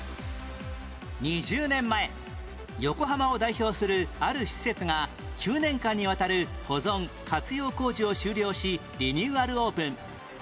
２０年前横浜を代表するある施設が９年間にわたる保存活用工事を終了しリニューアルオープン